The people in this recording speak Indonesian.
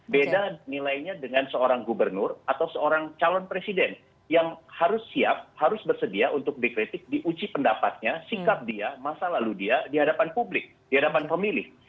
beda nilainya dengan seorang gubernur atau seorang calon presiden yang harus siap harus bersedia untuk dikritik diuji pendapatnya sikap dia masa lalu dia di hadapan publik di hadapan pemilih